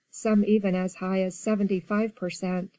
some even as high as seventy five per cent.